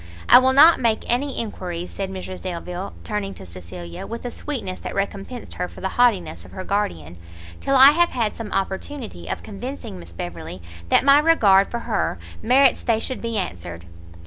"I will not make any enquiries," said Mrs Delvile, turning to Cecilia with a sweetness that recompensed her for the haughtiness of her guardian, "till I have had some opportunity of convincing Miss Beverley, that my regard for her merits they should be answered."